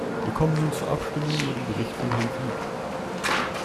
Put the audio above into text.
Wir kommen nun zur Abstimmung über den Bericht von Herrn Filippi.